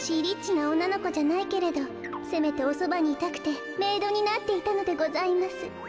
リッチなおんなのこじゃないけどせめておそばにいたくてメイドになっていたのでございます。